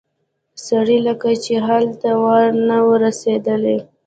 د سړي لکه چې هلته وار نه و رسېدلی.